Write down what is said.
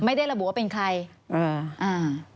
ไม่ได้ระบุว่าเป็นใคร